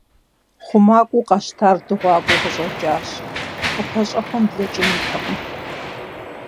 Хъумакӏуэу къащтар дыгъуакӀуэу къыщӏэкӏащ, къыпэщӀэхуэм блэкӏынутэкъым.